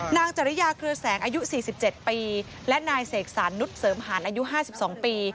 นางจริยาเครือแสงอายุสี่สิบเจ็ดปีและนายเสกสรรนุษย์เสริมหารอายุห้าสิบสองปี